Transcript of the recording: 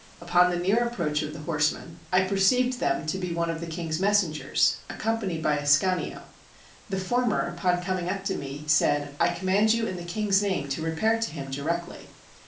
Upon the near approach of the horsemen, 232 KING FRANCIS I AND THE GOLDSMITH I perceived them to be one of the king's messengers ac companied by Ascanio. The former upon coming up to me said, " 1 command you, in the king's name, to repair to him directly."